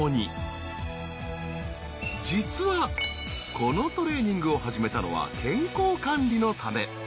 実はこのトレーニングを始めたのは健康管理のため。